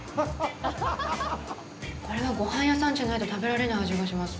これはごはん屋さんじゃないと食べられない味がします！